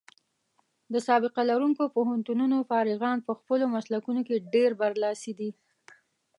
د سابقه لرونکو پوهنتونونو فارغان په خپلو مسلکونو کې ډېر برلاسي دي.